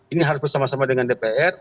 ini harus bersama sama dengan dpr